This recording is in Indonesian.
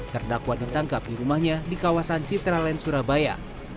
terdakwa ditangkap di rumahnya di kawasan citralen surabaya